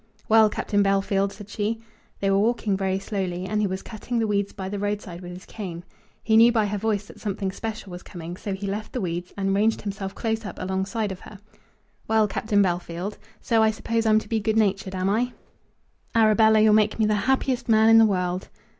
"Well, Captain Bellfield," said she. They were walking very slowly, and he was cutting the weeds by the roadside with his cane. He knew by her voice that something special was coming, so he left the weeds and ranged himself close up alongside of her. "Well, Captain Bellfield, so I suppose I'm to be good natured; am I?" "Arabella, you'll make me the happiest man in the world."